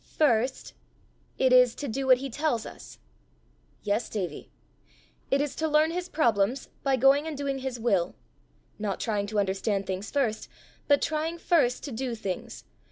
"First, it is to do what he tells us." "Yes, Davie: it is to learn his problems by going and doing his will; not trying to understand things first, but trying first to do things.